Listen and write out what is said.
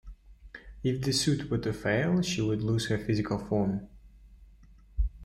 If the suit were to fail, she would lose her physical form.